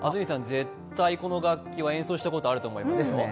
絶対、この楽器は演奏したことあると思います。